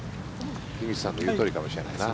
樋口さんの言うとおりかもしれないな。